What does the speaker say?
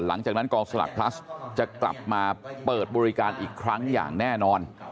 หลังจากนั้นกองสลักพลัสจะกลับมาเปิดบริการอีกครั้งอย่างแน่นอน